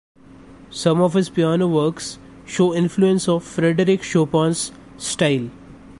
Some of his piano works show influence of Frederic Chopin's style.